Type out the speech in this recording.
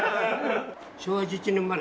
昭和１１年生まれ。